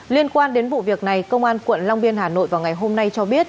liên quan đến vụ việc này công an quận long biên hà nội vào ngày hôm nay cho biết